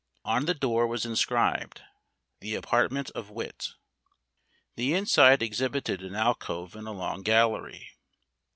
On the door was inscribed, "The Apartment of Wit." The inside exhibited an alcove and a long gallery.